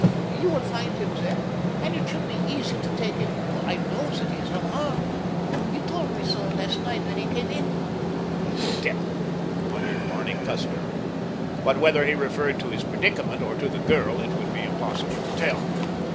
You will find him there, and it should be easy to take him, for I know that he is unarmed. He told me so last night when he came in." "The devil!" muttered Barney Custer; but whether he referred to his predicament or to the girl it would be impossible to tell.